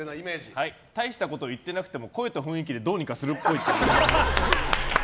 大したこと言ってなくても声と雰囲気でどうにかするっぽい。